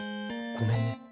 ごめんね。